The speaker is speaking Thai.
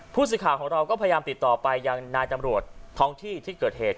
ผู้สื่อข่าวของเราก็พยายามติดต่อไปยังนายตำรวจท้องที่ที่เกิดเหตุ